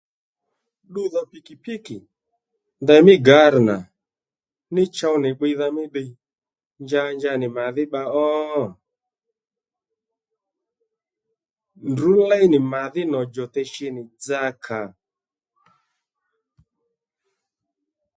Ddudhò pikipiki ndèymí gari nà ní chow nì bbiydha mí ddiy njanja nì màdhí bba ó ndrǔ léy nì mà dhí nò djòte shi nì djakà